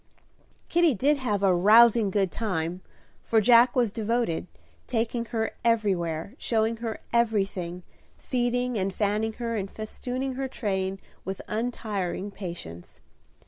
Kitty did have "a rousing good time;" for Jack was devoted, taking her everywhere, showing her everything, feeding and fanning her, and festooning her train with untiring patience.